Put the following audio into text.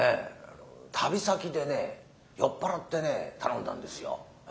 旅先でね酔っ払ってね頼んだんですよ。